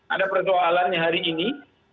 ada persoalan yang hari ini